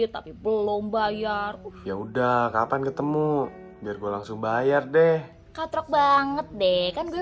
tapi belum bayar ya udah kapan ketemu biar gue langsung bayar deh katrok banget deh kan gue